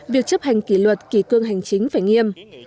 việc chấp hành kỷ luật kỷ cương hành chính phải nghiêm